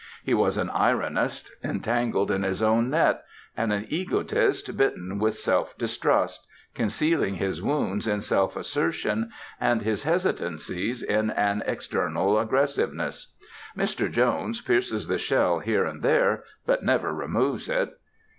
He was an ironist entangled in his own net and an egotist bitten with self distrust, concealing his wounds in self assertion and his hesitancies in an external aggressiveness. Mr. Jones pierces the shell here and there, but never removes it.